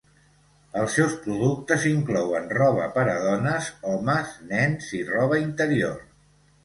Els seus productes inclouen roba per a dones, homes, nens i roba interior.